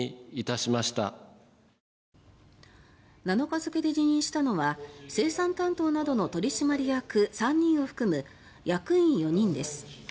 ７日付で辞任したのは生産担当などの取締役３人を含む役員４人です。